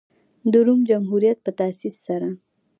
د روم جمهوریت په تاسیس سره.